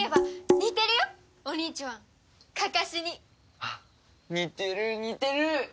あっ似てる似てる！